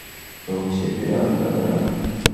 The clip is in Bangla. তো, হুশে ফিরো আর তদন্ত শুরু কোরো!